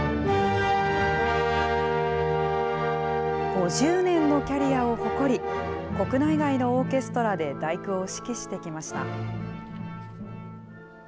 ５０年のキャリアを誇り、国内外のオーケストラで第九を指揮してきました。